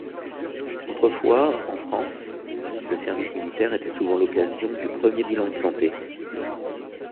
Autrefois, en France, le service militaire était souvent l'occasion du premier bilan de santé.